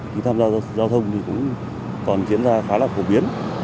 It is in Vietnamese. khi tham gia giao thông thì cũng còn diễn ra khá là phổ biến